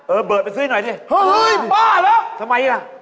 เออเบิร์ตไปซื้อให้หน่อยสิเฮ้ยบ้าเหรอทำไมล่ะ